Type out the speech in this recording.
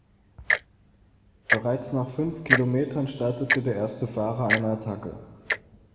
Bereits nach fünf Kilometern startete der erste Fahrer eine Attacke.